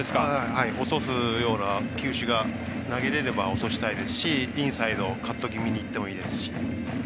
落とすような球種が投げれれば落としたいですしインサイド、カット気味にいってもいいですし。